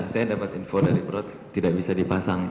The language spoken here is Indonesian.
saya dapat info dari perut tidak bisa dipasang